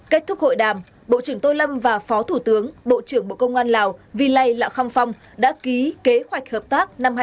kết thúc hội đàm bộ trưởng tô lâm và phó thủ tướng bộ trưởng bộ công an lào vy lai lạ khăm phong đã ký kế hoạch hợp tác năm hai nghìn hai mươi bốn